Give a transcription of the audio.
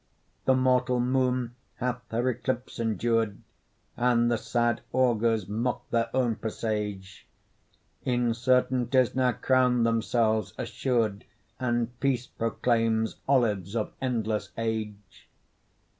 The mortal moon hath her eclipse endur'd, And the sad augurs mock their own presage; Incertainties now crown themselves assur'd, And peace proclaims olives of endless age.